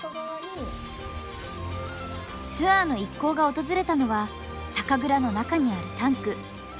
ツアーの一行が訪れたのは酒蔵の中にあるタンク。